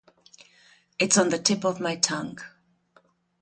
It's on the tip of my tongue.